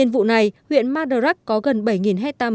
ngày hàng trăm chiếc ngày cả đi